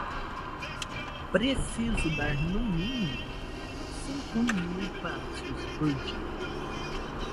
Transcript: Preciso dar, no mínimo, cinco mil passos por dia.